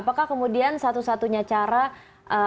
padahal mungkin kalau kita lihat begitu ya korbannya diberi